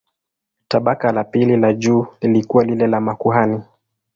Tabaka la pili la juu lilikuwa lile la makuhani.